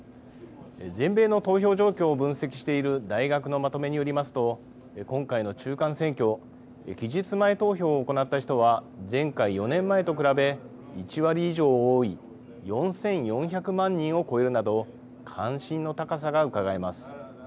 全米の投票状況を分析している大学のまとめによりますと今回の中間選挙期日前投票を行った人は前回４年前と比べ１割以上多い４４００万人を超えるなど関心の高さがうかがえます。